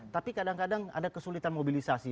tapi kadang kadang ada kesulitan mobilisasi